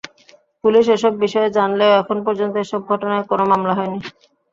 Police এসব বিষয় জানলেও এখন পর্যন্ত এসব ঘটনায় কোনো মামলা হয়নি।